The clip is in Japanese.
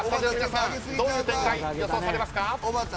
どういう展開、予想されますか？